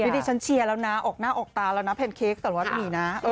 นี่ดิฉันเชียร์แล้วนะออกหน้าออกตาแล้วนะแพนเค้กสารวัตรหมีนะ